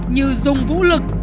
như dùng vũ lực